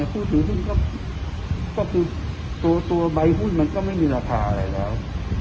พูดถึงทุกซะตัวใบหุ้นมันก็ไม่มีราตาอะไรแล้ว